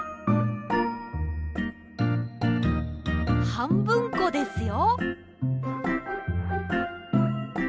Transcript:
はんぶんこですよ。